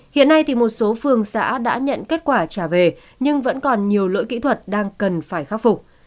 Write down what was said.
hiện nay một số phương xã đã nhận kết quả trả về nhưng vẫn còn nhiều lỗi kỹ thuật đang cần phải khắc phục